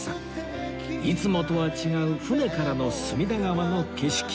いつもとは違う船からの隅田川の景色